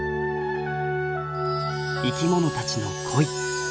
生きものたちの恋。